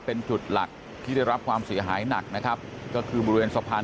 เป็นจุดหลักที่ได้รับความเสียหายหนักนะครับก็คือบริเวณสะพาน